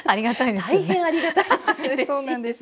大変ありがたいです